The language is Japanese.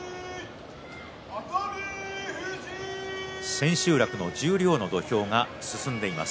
千秋楽の十両の土俵が続いています。